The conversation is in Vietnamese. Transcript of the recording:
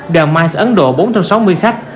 đoàn mice ấn độ bốn trăm sáu mươi khách